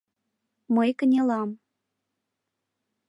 Мый кынелам.